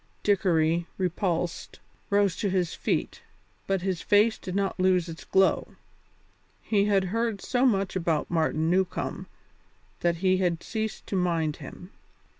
Dickory, repulsed, rose to his feet, but his face did not lose its glow. He had heard so much about Martin Newcombe that he had ceased to mind him.